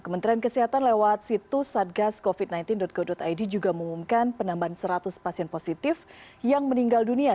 kementerian kesehatan lewat situs satgascovid sembilan belas go id juga mengumumkan penambahan seratus pasien positif yang meninggal dunia